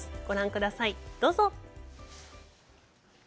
ご覧ください、どうぞ。